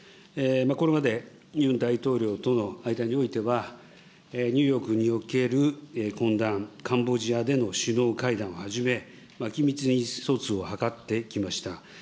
これまでユン大統領との間においては、ニューヨークにおける懇談、カンボジアでの首脳会談をはじめ、緊密に意思疎通を図ってきました。